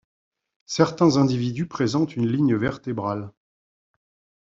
Certains individus présentent une ligne vertébrale.